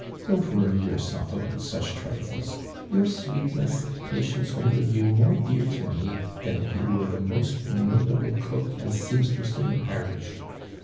Don't worry your self about such trifles. Your sweetness ami patience render you more dear to me than if you were the most notable oookand seamstress in the parish